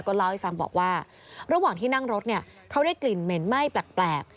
เล่าให้ฟังบอกว่าระหว่างที่นั่งรถเนี่ยเขาได้กลิ่นเหม็นไหม้แปลก